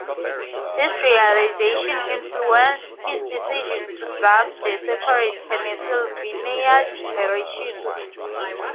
This realization influenced his decision to draft the separate Pennsylvania Declaration.